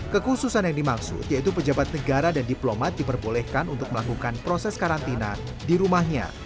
kekhususan yang dimaksud yaitu pejabat negara dan diplomat diperbolehkan untuk melakukan proses karantina di rumahnya